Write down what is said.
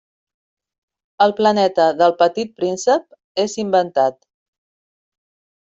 El planeta del Petit Príncep és inventat.